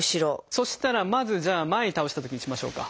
そしたらまずじゃあ前に倒したときにしましょうか。